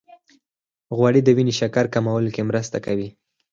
غوړې د وینې شکر کمولو کې مرسته کوي.